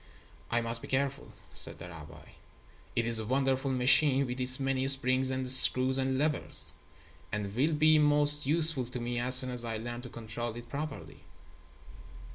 "I must be careful," said the rabbi. "It is a wonderful machine with its many springs and screws and levers, and will be most useful to me as soon as I learn to control it properly."